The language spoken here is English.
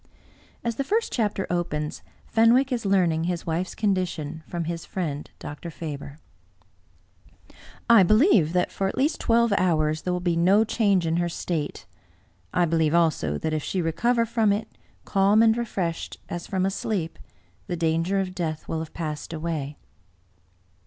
As the first chapter opens, Fenwick is learning his wife's con dition from his friend, Dr. Faber. *' J BELIEVE that for at least twelve hours there will be no change in her state. I believe also that if she re cover from it, calm and refreshed, as from a sleep, the danger of death will have passed away."